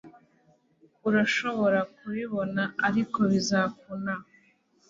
urashobora kubibona ariko bizakuna